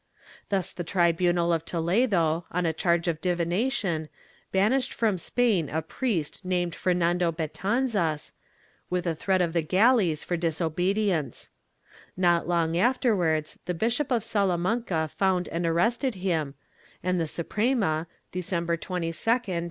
Thus the tribunal of Toledo, on a charge of divination, banished from Spain a priest named Fernando Betanzas, with a threat of the galleys for disobedience. Not long afterwards the Bishop of Salamanca found and arrested him, and the Suprema, 1 Royal Library of Berlin, Qt. 9548. ' Archivo de Simancas, Inquisicion, Leg.